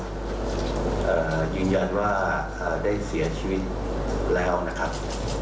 ยืนยันว่าได้เสียชีวิตแล้วนะครับ